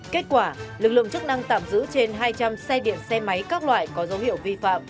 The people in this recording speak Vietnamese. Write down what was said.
kết quả lực lượng chức năng tạm giữ trên hai trăm linh xe điện xe máy các loại có dấu hiệu vi phạm